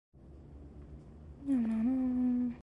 Joseph Haydn premiered some of his works here.